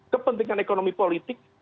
kepentingan ekonomi politik